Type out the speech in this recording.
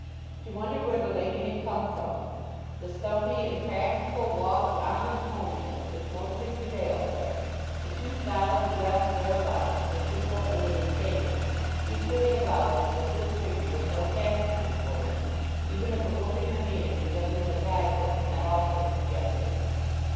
She wondered where the lady had come from. The stumpy and practical walk of honest homeliness which mostly prevailed there, the two styles of dress thereabout, the simple and the mistaken, equally avouched that this figure was no Casterbridge woman's, even if a book in her hand resembling a guide book had not also suggested it.